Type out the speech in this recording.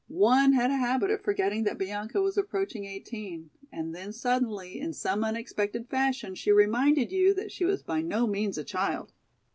One had a habit of forgetting that Bianca was approaching eighteen, and then suddenly in some unexpected fashion she reminded you that she was by no means a child.